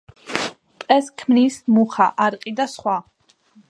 ტყეს ქმნის: მუხა, არყი და სხვა.